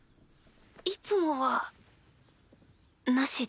いつもはなしで。